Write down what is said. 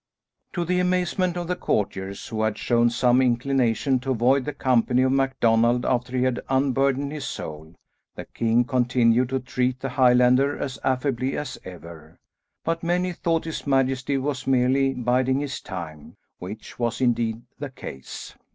To the amazement of the courtiers, who had shown some inclination to avoid the company of MacDonald after he had unburdened his soul, the king continued to treat the Highlander as affably as ever, but many thought his majesty was merely biding his time, which was indeed the case.